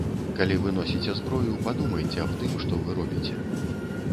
Калі вы носіце зброю, падумайце аб тым, што вы робіце.